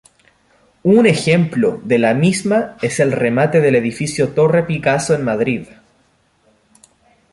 Un ejemplo de la misma es el remate del edificio Torre Picasso en Madrid.